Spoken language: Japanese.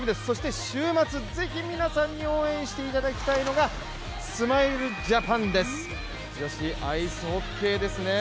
そして週末ぜひ皆さんに応援していただきたいのがスマイルジャパンです。